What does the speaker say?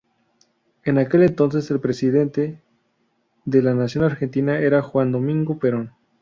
En aquel entonces, el presidente de la Nación Argentina era Juan Domingo Perón.